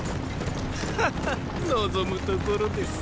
ハッハ望むところです。